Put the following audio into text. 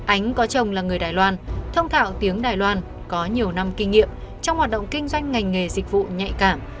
ánh có chồng là người đài loan thông thạo tiếng đài loan có nhiều năm kinh nghiệm trong hoạt động kinh doanh ngành nghề dịch vụ nhạy cảm